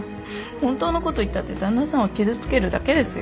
本当のこと言ったって旦那さんを傷つけるだけですよ。